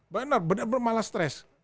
benar benar malah stress